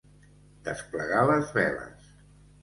Desplegar les veles.